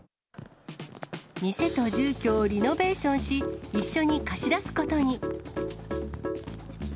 店と住居をリノベーションし、一緒に貸し出すことに。